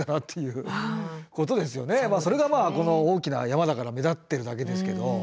それがこの大きな山だから目立ってるだけですけど。